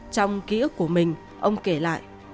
trong ký ức của mình ông kể lại